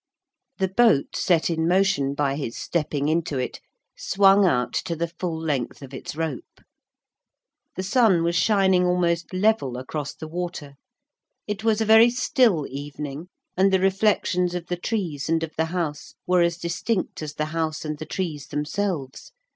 The boat, set in motion by his stepping into it, swung out to the full length of its rope. The sun was shining almost level across the water. It was a very still evening, and the reflections of the trees and of the house were as distinct as the house and the trees themselves.